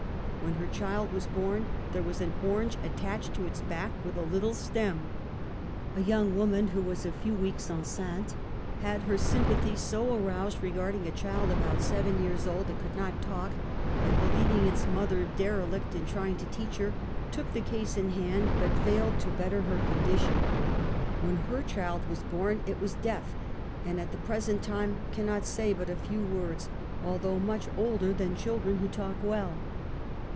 When her child was born there was an orange at tached to its back with a little stem. A young woman who was a few weeks enceinte^ had her sympathies so aroused regarding a child about seven years old that could not talk, and, be lieving its mother derelict in trying to teach her, took the case in hand but failed to better her condition. 40 UNMASKED. When her child was born it was deaf, and at the present time, cannot say but a few words, although much older than children who talk well.